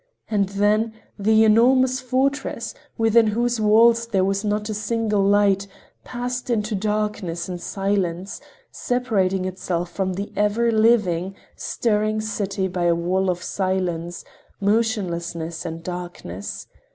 And then, the enormous fortress, within whose walls there was not a single light, passed into darkness and silence, separating itself from the ever living, stirring city by a wall of silence, motionlessness and darkness.